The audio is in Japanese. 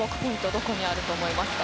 どこにあると思いますか。